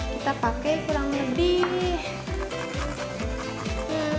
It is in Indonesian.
kita pakai kurang lebih